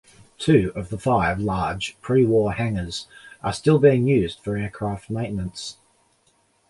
Two of the five large pre-war hangars are still being used for aircraft maintenance.